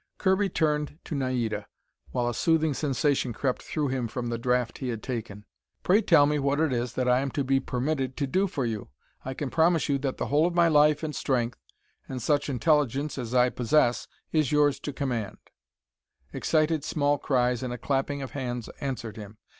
Kirby turned to Naida, while a soothing sensation crept through him from the draught he had taken. "Pray tell me what it is that I am to be permitted to do for you. I can promise you that the whole of my life and strength, and such intelligence as I possess, is yours to command." Excited small cries and a clapping of hands answered him.